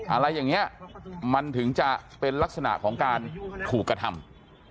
อะไรอย่างนี้มันถึงจะเป็นลักษณะของการถูกกระทำ